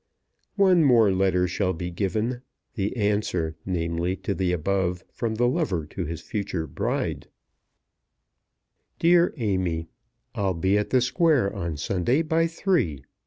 One more letter shall be given; the answer, namely, to the above from the lover to his future bride; DEAR AMY, I'll be at the Square on Sunday by three.